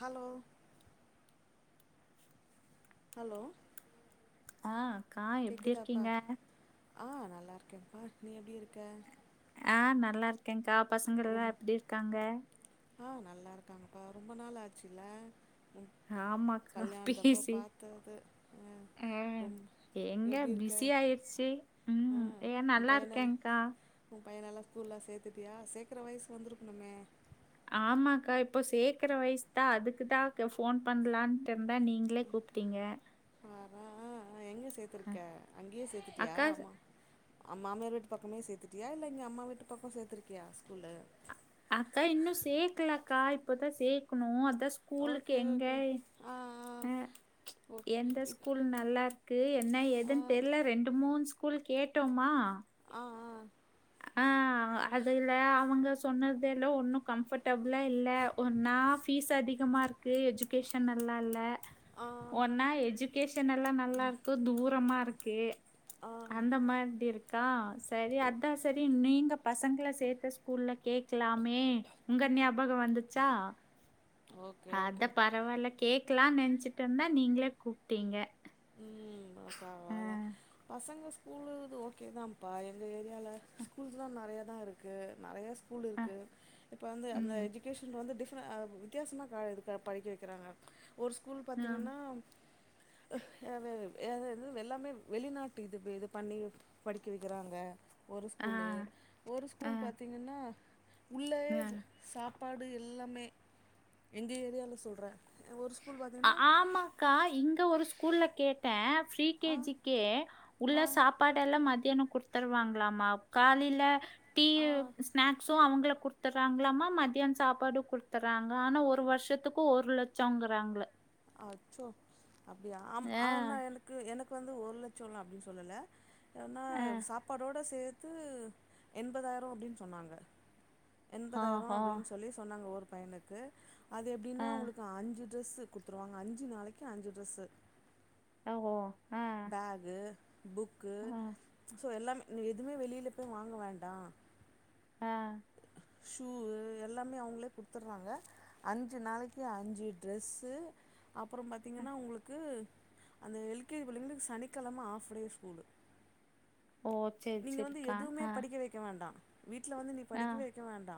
Hello hello ஆ அக்கா எப்படி கேக்குதாப்பா இருக்கீங்க ஆ நல்லா இருக்கேபா நீ எப்டி இருக்க ஆ நல்லா இருக்கேங்க்கா பசங்கள் எல்லா ரொம் எப்டி இருக்காங்க ஆ நல்லா இருக்காங்கப்பா ரொம்ப நாள் ஆச்சுல்ல ஆமாக்கா கல்யாணத்தப்ப பேசி பார்த்தது உம் ஆ, ரொம் எங்க பிஸி ஆயிரிச்சி உம் பையன உ பையனெல்லா ஸ்கூல்லா சேத்துட்டியா சேக்குர வயசு வந்திருக்கணுமே ஆமாக்கா இப்போ சேக்கற வயசு தா அதுக்குதா ஃபோன் பண்ணலான்ட்டு இருந்தே நீங்க லே கூப்டீங்க ஆ ஹா எங்க ஆ, சேத்திருக்க அங்கையே சேத்துட்டியா அக்கா அம்மா அம் மாமியார் வீட்டு பக்கமே சேத்துட்டியா இல்ல இங்க அம்மா வீட்டு பக்கம் சேர்த்திருக்கியா ஸ்கூல்ல அதா இன்னு சேக்கல அக்கா இப்பதா சேக்குணு அதா ஸ் ஓகே ஓகே ஆ ஆ த ஓ எந்த இப் ஸ்கூல் நல்லா இருக்கு என்ன ஆ ஏதுன்னு தெர்ல ரெண்டு மூன்ஸ் ஸ்கூல் கேட்டோமா ஆ ஆ ஆ அதுல அவங்க சொன்னதேலோ ஒன்னு கம்ஃபர்ட் டப்ல இல்ல ஒன்னா பீஸ் அதிகமா இருக்கு எஜுகேஷன் நல்லா இல்ல ஆ ஆ ஒன்னா எஜு கேஷன் எல்லா நல்லா இருக்கு தூரமா இருக்கு ஆ அந்த மாதிரி இருக்கா சரி அதா சரி நீங்க பசங்கள சேர்த்த ஸ்கூலில கேக்கலாமே உங்க ஞாபகோ வந்துச்சா ஓகே அத ஓகே பரவாயில்ல கேக்கலான்னு நெச்சுட்டு இருந்தா நீங்ளே கூப்பிட்டீங்க உம் ஆ பரவாயல பசங்க ஸ்கூலுது ஓகே தான்ப்பா எங்க ஏரியால ஸ்கூல்ஸ்லா நறைய தா இருக்கு நறையா ஸ்கூல் ஆ இருக்கு இப்ப வந்து அந்த ம் எஜுகேஷன் வந்து டிஃப் துற்ன அவ் வித்தியாசமா கா இது படிக்க வைக்கிறாங்க ஒரு ஸ்கூல் ஆ பாத்திங்கன்னா அ வ வே வ் எல்லாமே வ் வெளிநாட்டு இது வே இது பண்ணி படிக்க வைக்கிறாங்க ஒரு ஆ ஸ்கூலு ஒரு ஆ ஸ்கூல் பாத்தீங்கன்னா ஆ உள்ளேயேஃப் சாப்பாடு எல்லாமே எங்க ஏரியால சொல்ற அ ஒரு ஸ்பூல் வ ஆ ஆமாக்கா இங்க ஒரு ஸ்கூல்ல கேட்ட ஃப்ரீ ஆ, கேஜிக்கே வ, உள்ள சபாடு எல்லா மத்யனோ குடுத் தருவாங்களாமா காலில டீ ஆ ஸ்நாக்ஸ் சோ அவங்கள குடுத்துறாங்களாமா மத்தியான சாப்பாடு குடுத்துறாங்க ஆனா ஒரு வருஷத்துக்கு ஒரு லட்சங்கிறாங்கள அச்சோ அப்டியா ஆம் ஆ ஆனா எனக்கு எனக்கு வந்து ஒரு லட்சலா அப்டின்னு சொல்லல எனா ஆ சாப்பாடோடு சேர்த்து எண்பதாயிரோ அப்டின்னு சொன்னாங்க எண்பதாயிரோ ஆஹோ அப்டின்னு சொல்லி சொன்னாங்க ஒரு பையனுக்கு அது எப்டின்னா ஆ உங்களுக்கு அஞ்சி ட்ரெஸ்ஸு கடுத்துருவாங்க அஞ்சி நாளைக்கு அஞ்சி ட்ரெஸ்ஸு ஆ ஒ போ ஆ பக்கு புக்கு சோ எல்லாமே எதுவுமே வெளியில பேய் வாங்க வேண்டா ஆ ஷூவு எல்லாமே அவங்களே குடுத்துடுறாங்க அஞ்சி நாளைக்கு அஞ்சி ட்ரெஸ்ஸு அப்ரோ ஆ. பாத்திங்கன்னா உங்களுக்கு அந்த எல்கேஜி பிள்ளைங்களுக்கு சனிக்கிழம ஹஃப் டே ஸ்கூலு ஓத் நீங்க வந்து எதுவுமே படிக்க வைக்க வேண்டா வீட்டல வந்து நீ ஆ படிக்கவே வைக்க வேண்டா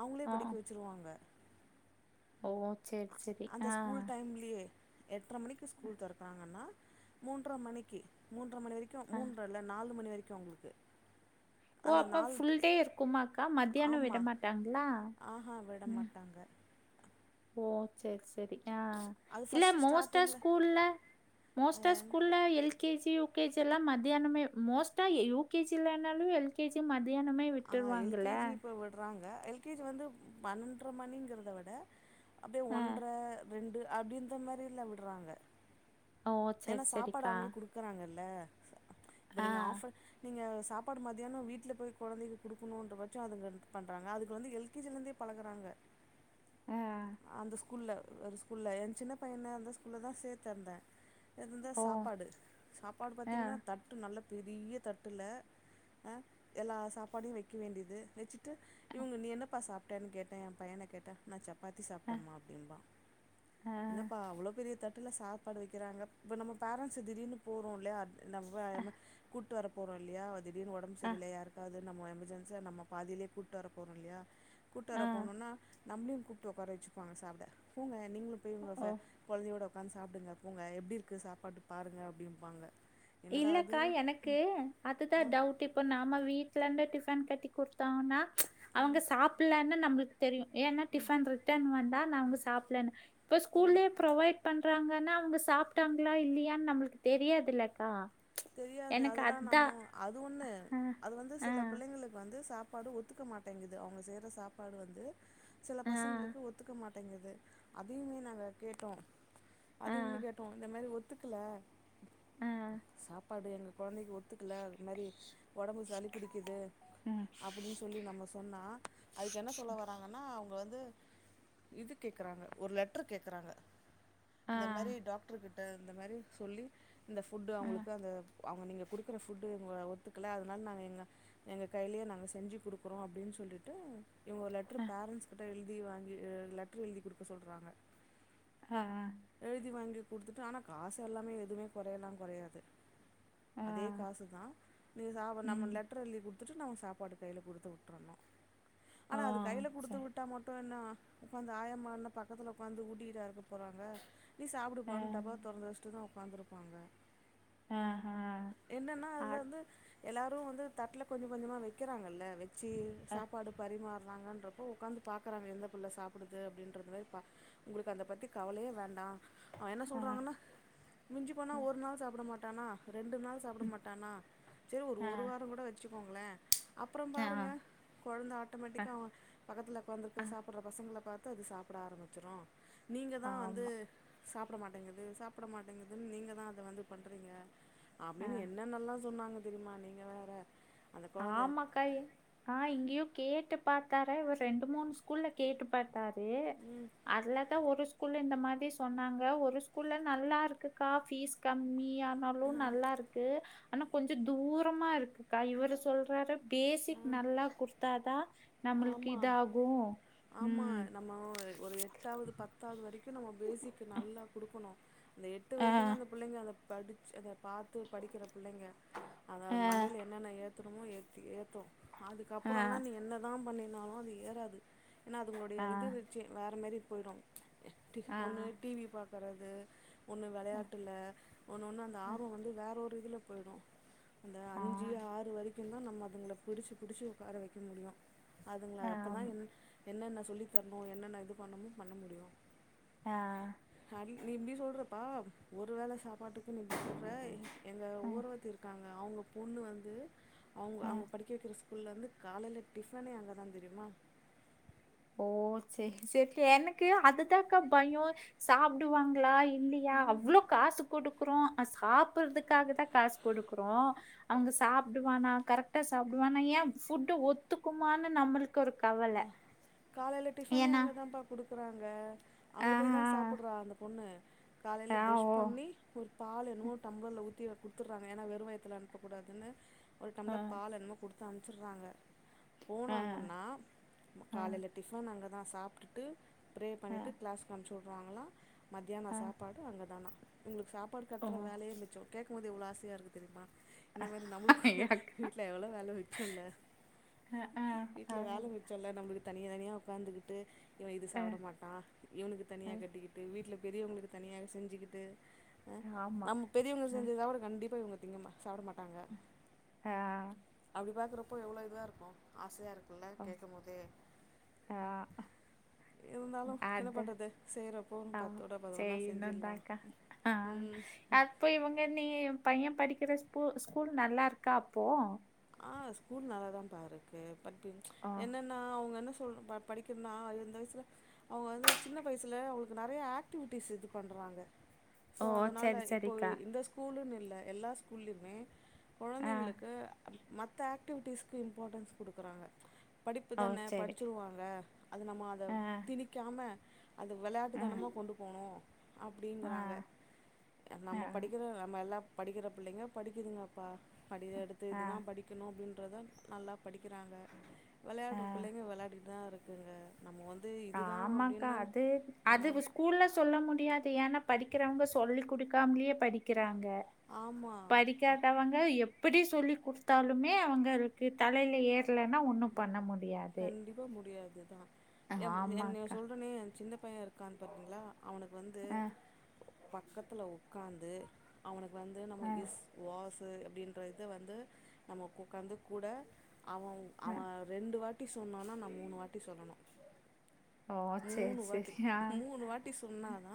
அவுங்களே ஓ படிக்க வச்சுருவாங்க ஓ சரி சரி ஆ அந்த ஸ்கூல் டைம்லியே எட்டரை மணிக்கு ஸ்கூல் தரக்குறாங்கன்னா மூன்றர மணிக்கி மூன்ற மணி வரைக்கு ஆ மூன்ற இல்ல நாலு மணி வரைக்கு அவங்களுக்கு ஓ அந்த அப்போ நாலு ஃபுல் டே இருக்குமா அக்கா மத்தியானோ விட மாட்டாங்களா ஆஹ விட மாட்டாங்க ஓ சேரி சேரி ஆ அது இல்ல ஃபஸ்ட்டு மோஸ்ட்ட அ ஸ்டார்டிங்கில் ஸூகூல்ல மோஸ்ட்ட அ ஸூகூல்ல L K G U K G எல்லா மத்தியானமே மோஸ்டா யூ கே ஜி இல்லனாலு எல் கே ஜி மத்தியானமே விட்டுருவாங்கள விட்டுராங்க எல் கே ஜி வந்து பன்னன்ற மணிங்றத விட அப்டியே ஆ ஒன்றர ரெண்டு அப்டிந்த மாரில்ல விட்றாங்க ஓ ஏன்னா சரி சாப்பாடு சரிக்கா அவுங்ளே குடுக்குறாங்கல்ல இப்ப ஆ நீங்க ஆஃபர் நீங்க சாப்பாடு மத்தியானோ வீட்ல போய் கொழந்தைக்கு குடுக்கணுன்ற பட்சோ அதுங்களுக்கு பண்றாங்க அதுக்கு வந்து எல் கே ஜி லேந்தே பழகுறாங்க ஆ அந்த ஸ்கூல்ல ஒரு ஸ்கூல்ல ஏ சின்ன பையன அந்த ஸ்கூல்ல தா சேத்திருந்தே எந்தா ஓ சாப்பாடு சாப்பாடு ஆ பாத்திங்கன்னா தட் டு நல்ல பெரிய தட்டுல அ எல்லா சாப்பாடியு வெய்க்க வேண்டியது வெச்சிட் டாடு இவுங்க நீ என்னப்பா சாப்ட்டனு கேட்டா ஏ பையன கேட்டா நா சப் பாத்தி ஆ சாப்ட்டம்மா அப்டின்றா ஆ என்னப்பா அவ்ளோ பெரிய தட்ல சாப்பாடு வக்கிறாங்க இப்போ நம்ப பேரன்ட்ஸ் திடீர்னு போறோ இல்லய ஆ நம்ப கூட்டு வர போறோ இல்லியா திடீர்னு ஒடம்பு சரியில்ல யாருக்காது நம்ப எமர்ஜென்ஸியா நம்ப பாதியிலே கூட்டு வர போறோ இல்லியா கூட்டுவர ஆ ஆ போணோனா நம்ளையு கூப்ட்டு ஒக்கார வச்சுப்பாங்க சாப்ட போங்க நீங்ளு போய் உங்க ஓ கொழந்தையோட ஒக்காந்து சாப்டுங்க போங்க எப்டி இருக்கு சாப்பாடு பாருங்க அப்டிம்பாங்க இல்லக்கா எனக்கு அதுதா ஆ டவுட் இப் இப்ப நாம வீட்லந்து டிஃபன் கட்டி குடுத்தோனா அவங்க சாப்புட்லனு நம்ளுக்கு தெரியு ஏனா டிஃபன் ரிட்டர்ன் வந்தா அவுங்க சாப்பலனு இப்ப ஸ்கூல்லயே ப்ரொவைட் பண்றாங்கன்னா அவுங்க சாப்ட்டாங்ளா இல்லயான்னு நம்ளுக்கு தெரியாது இல்லக்கா தெரியாது எனக்கு அததுதா நம்ப அதான் அது ஒண்ணு ஆ அது வந்து ஆ சில பிள்ளைங்களுக்கு வந்து சாப்பாடு ஒத் துக்க மாட்டேங்குது அவுங்க செய்ற சாப்பாடு வந்து சில ஆ பசங்களுக்கு ஒத்துக்க மாட் டேங்குது அதையுமே நாங்க கேட்டோ ஆ அதையுமே கேட்டோ இந்த மாரி ஒத்துக்கல அ சாப்பாடு எங்க கொழந்தைக்கு ஒத்துக்ல இந்த மாரி ஒடம்பு சளி பூடிக்குது அப்டின்னு சொ ல்லி நம்ப சொன்னா அதுக்கு என்ன சொல்ல வராங்கன்னா அவுங்க வந்து இது கேக்குறாங்க ஒரு லெட்ரு கேக்றாங்க ஆ இந்த மாரி டாக்ட்ரு கிட்ட இந்த மாரி சொல்லி இந்த ஃபுட்டு அவுங்களுக்கு அந்த அவுங்க நீங்க குடுக்குற ஃபுட்டு ஒத்துக்ல அதனால நாங்க எங்க எங்க கையிலயே நாங்க செஞ்சு குடுக்குறோ அப்டின்னு சொல்லிட்டு இவுங்க ஒரு லெட்ரு பேரன்ட்ஸ் கிட்ட எழுதி வாங்கி லெட்ரு எழுதி குடுக்க சொல்றாங்க அ அ எழுதி வாங்கி குடுத்துட்டு ஆனா காசு எல்லாமே எதுமே கொறையலா கொறையாது ஆ அதே காசு தா நீ சாப் நம்ம ம் லெட்ரு எழுதி குடு த்துட்டு நா ஒ சாப்பாட்ட கையில குடுத்து வுட்ரனு ஓ ஆனா அது கைல குடுத்து சரி வுட் ட்டா மட்டு என்ன ஒக்காந்து ஆயாமா என்ன பக்கத்துல ஒக்காந்து ஊட்டிகிட்டா இருக்க போறாங்க நீ ஆ சாப்டுப்பானு டப்பாவ தொறந்து வச்சுட்டுதா ஒக்காந்ருப்பாங்க அ ஹ என்னன்னா அதுல வந்து எல்லாரு வந்து தட்ல கொஞ்ச கொஞ்சமா வெக்கறாங்கல்ல வெக் ச்சி ஆ சாப்பாடு பரிமாற்றாங்கன்றப்போ ப்போ ஒக்காந்து பாக்றாங்க எந்த புள்ள சாப்டுது அப்டின்றது மாரி பா ஒங்களுக்கு அத பத்தி கவலயே வேண்டா அவெ என்ன ஆ சொல்றாங்கன்னா மிஞ்சி போனா ஒரு நாள் சாப்ட மாட்டானா ரெண்டு நாள் சாப்ட மாட்டானா செரி ஒரு ஆ ஒரு வாரங்கூட வச்சுக்கோங்களே அப்றோ ஆ பாருங்க கொழந்த அ ஆட்டோமேட்டிக்கா அவெ பக்கத்துல ஒக்காந்துருக்க அ சாப்பட்ற பசங்கள பாத்து அது சாப்ட ஆரம்பிச்சிரு நீங்க தா வந்து ஆமா. சாப்ட மாட்டேங்குது சாப்ட மாட்டேங்குதுன்னு நீங்க தா அத வந்து பண் றிங்க அ அப்டின்னு என்னென்னலா சொன்னாங்க தெரியுமா நீங்க வேற அந்த கொழந்த ஆமாக்காய் ஆ இங்கயு கேட்டு பாத்தாரு இவுரு ரெண்டு மூணு ஸ்கூல்ல கேட்டு பாத்தாரு அதுலதா ஒரு ஸ்கூல்ல இந்த மாதிரி சொன்னாங்க ஒரு ஸ்கூல்ல நல்லா இருக்குக்கா ஃபீஸ் கம்மி யானாலு நல்லா இருக்கு ஆனா கொஞ்சோ தூரமா இருக்குக்கா இவுரு சொல்றாரு பேசிக் நல்லா குடுத்தாதா நம்ளுக்கு இதாகு ம் மோய் ஒரு எட்டாவது பத்தாவது வரைக்கும் நம்ம பேசிக் நல்லா குடுக்கணு இந்த எட்டு ஆ வரைக்குதா அந்த புள்ளைங்க அத படிச்சி அத பாத் த்து படிக்கிற புள்ளைங்க அத ஆ மண்டையில என்னென்ன ஏத்தணுமோ ஏத்தி ஏத்து ஆ அதுக்கப்றோலா நீ என்னதா பண்ணினாலு அது ஏறது ஏனா அதுங்களுடைய ஆ இது வேற மாரி போயிடும் ஆ ஒண்ணு டி வி பாக்கறது ஒன்னு வெளையாட்டுல ஒன்னு ஒன்னு அந்த ஆ ஆர்வம் வந்து வேற ஒரு இதுல போயிடும் அந்த ஆ அஞ்சு ஆறு வரிக்கும் தா நம்ம அதுங்கள பிடிச்சு பிடிச்சு உக்கார வெக்க முடியு அதுங்கள அப்பதா ஆம் என் என்னென்ன சொல்லித்தரணும் என்னென்ன இது பண்ணனும் பண்ண முடியும் ஆ சரி நீ இப்டி சொல்றப்பா ஒரு வேள சாப்பாட்டுக்கு நீ இப்டி சொல்ற எங்க அ ஓரகத்தி இருக்காங்க அவங்க பொண்ணு வந்து அவங்க ஆ அவங்க படிக்க வெக்கிற ஸ்கூல்ல வந்து காலைல டிஃபனே அங்க தா தெரியுமா ஓ சேரி சேரி எனக்கு அதுதாக்கா பயோ சாப்டுவாங்களா இல்லையா அவ்ளோ காசு குடுக்குறோ சாப்பறதுக்காக தா காஸ் குடுக்குறோ அங்க சாப்டுவானா கரெக்டா சாப்டுவானா ஏன் ஃபுட்டு ஒத்துக்குமானு நம்மளுக்கு ஒரு கவல காலைல டிஃபனே அங்கதாம்ப்பா குடுக்குறாங்க அங்க போய் தா ஆஹ் சாப்பிட்றா அந்த பொண்ணு காலைல ஆஹ் ப்ரஷ் ஓ பண்ணி ஒரு பால் என்னவோ டம்ளர்ல ஊத்தி குடுத்தர்றாங்க ஏன்னா வெரு வயத்துல அனுப்ப கூடாதுன்னு ஒரு டம்ளர் ஆஹ் பால் என்னமோ குடுத்து அனுச்சர்றாங்க ஆஹ் போனாங்கன்னா ஆஹ் காலைல டிஃபன் அங்கதா சாப்ட்டுட்டு ப்ரே பண்ணிட்டு ஆஹ் கிளாஸ்க்கு அனுப்சூட்றாங்களா மத்யான ஆஹ் சாப்பாடு அங்கதானா உங்களுக்கு சாப்பாடு ஓ கட்டுற வேலையே மிச்சோம் கே கேக்கும்போது எவ்ளோ ஆசையா இருக்கு தெரியுமா இந்த மாரி நம்மளுக்கும் ஐயா, அக்கா. வீட்ல எவ்ள வேல மிச்சோ இல்ல ஆஹ் ஆஹ் வீட்ல ஆஹ் வேல மி ச்ச இல்ல நம்மளு தனியா தனியா உக்காந்துக்கிட்டு இவன் இது சாப்பிட ஆஹ் மாட்டா இவனுக்கு தனியா கட்டிக்கிட்டு வீட்ல பெரியவங்களுக்கு தனியா செஞ்சுகிட்டு ஆ ஆஹ் ஆமா நம்ம பெரியவங்க ஆஹ் செஞ்சத கண்டிப்பா இவங்க திங்கமா சாப்பிட மாட்டாங்க ஆஹ் அப்படி பாக்கறப்போ எவ்வளோ இதா இருக்கும் ஆசையா இருக்குல்ல கேக்கும் போதே ஆ இருந்தாலும் என்ன பண்றது செய்யறப்போ ஆ பத்தோட சரி பதனொன்னா செஞ்சிட்லா இன்னொந்தாக்கா. ஆ ம் அப்போ இவங்க நீ பையே படிக்கிற ஸ்கூ ஸ்கூல் நல்லா இருக்கா அப்போ ஆ ஸ்கூல் நல்லா தாம்ப்பா இருக்கு பட்டு ஓ என்ன ன்னா அவங்க என்ன சொல் படிக்கனுன்னா இந்த வயசுல அவங்க வந்து சின்ன வயசில அவங்களுக்கு நெறைய ஆக்டிவிட்டிஸ் இது பண்ணுறாங்க ஸோ ஓ அதனால சரி இப்போ சரிக்கா. இந்த ஸ்கூலுன்னு இல்ல எல்லா ஸ்கூல்லயுமே ஆ கொழந்தைங்களுக்கு மத்த ஆக்டிவிட்டீஸ்க்கு இம்பாட்டன்ஸ் குடுக்குறாங்க படிப்பு ஓ தான சரி. படிச்சிருவாங்க அத நம்ம அத ஆ திணிக்காம அத வெளாட்டு ஆ தனமாக கொண்டு போணு ஆ அப்டிங்கிறாங்க அ ஆ நம்ம படிக்கிற நம்ம எல்லா படிக்கிற பிள்ளைங்க படிக்குதுங்கப்பா படிய எடுத்து ஆ இதுதா படி க்கணு அப்டின்றத நல்லா படிக்கிறாங்க ஆ வெளயாடுற பிள்ளைங்க வெளயாடிட் தா இருக்குதுங்க நம்ம வந்து இதுதா அப்டினு அ கூல்ல சொல்ல முடியாது ஏனா படிக்கிறவுங்க சொல்லிக் குடுக்காமலேயே படி க்கிறாங்க ஆமா படிக் கேட்ட அவங்க எப்டி சொல்லி குட்த்தாலுமே அவுங்களுக்கு தலைல ஏறலன்னா ஒண்ணு பண்ண முடியாது போ முடியாதுதா எம் என் ஆமாக்கா. சொல்றனே என் சின்ன பையே இருக்கான் பாத்தீங்களா அவனுக்கு வந்து ஆ பக்கத்தில உக்காந்து அவனுக்கு வந்து நம்ம ஆ இஸ் வாசு அப்டின்ற இத வந்து நம்ம கு உக்காந்து கூட அவவு ஆ அவ ரெண்டு வாட்டி சொன்னான்னா நா மூணு வாட்டி சொல்லணு ஓ சேரி மூணு வாட்டி சேரி ஆ மூணு வாட்டி சொன்னாதா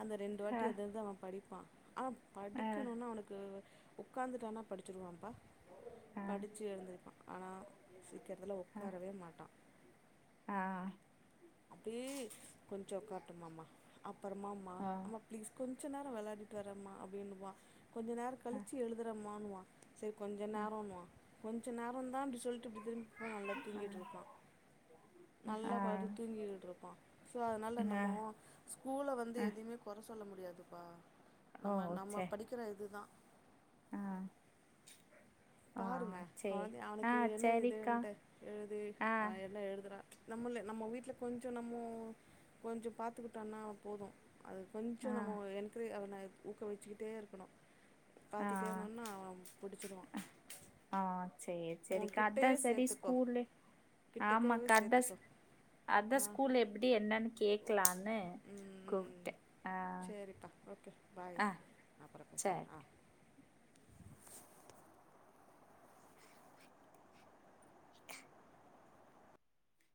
அந்த ரெண்டு ஆ வாட்டி அது அது அவ படிப்பா அவ ஆ படிக்கணுன்னா அவனுக்கு உக்காந்துட்டானா படிச்சிடுவாப்பா ஆ படிச்சு எழுந்திருப்பா ஆனா சீக்கிரத்ல உட்காரவே மாட்டா ஆ அப்டியே கொஞ்சோ ஒக்கார்ட்டும்மமா அப்பறமமா ஓ அம்பம் ப்ளீஸ் கொஞ்ச நேர வெளாயாடிட்டு வரேம்மா அப்டின்னுவா கொஞ்ச நேர ஆ கழிச்சு எழுதுறேமான்னுவா சேரி கொஞ்ச ஆ நேரண்ணுவா கொஞ்ச நேர தா அப்டி சொல்லிட்டு இப்டி திரும் ப நல்லா தூங்கிட்ருப்பா ஆ நல்லா ஆ படு தூங்கிட்ருப்பா சோ அதனால ஆ நம்மோ ஸ்கூல வந்து ஆ எதயுமே கொற சொல்ல முடியாதுப்பா ஓ நம்ம நம்ம சே படிக்கிற இதுதா ஆ ஆ பாருங்க சே கொழந்தைய ஆ அவனுக்கு என்ன சரிக்கா இதுன்ட்டு எழுதி ஆ அவ என்ன எழுதுறா நம்மல்லு நம்ம வீட்ல கொஞ்சோ நம்மோ கொஞ்ச பாத்துக்கிட்டோனா போது அது கொஞ்சோ ஆ நம்மோ என்க்ரே அவன ஊக்குவிச்சுக்கிட்டே இருக்கணு ஆ பாத்துட்டேர்ந்தோனா அவ புடிச்சிருவா ஆ சேரி சேரிக்க அதா உன்கிட்டயே செரி சேத்துக்கோ ஸ்கூல்லு கிட்டக்கவே ஆமாக்கா அதா ஸ் சேத்துக்கோ அதா ஆ ஸ்கூலு எப்டி என்னன்னு கேட்கலானு கூப்ட்டே அ சேரிக்கா ஓகே பாய் நா அப்பற சேரி பேசுறே ஆ